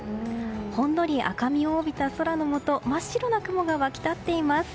ほんのり赤みを帯びた空のもと真っ白な雲が湧き立っています。